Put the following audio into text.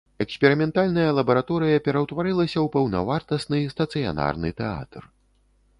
Эксперыментальная лабараторыя пераўтварылася ў паўнавартасны стацыянарны тэатр.